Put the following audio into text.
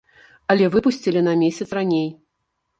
Але выпусцілі на месяц раней.